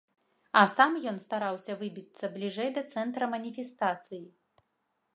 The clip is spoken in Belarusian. А сам ён стараўся выбіцца бліжэй да цэнтра маніфестацыі.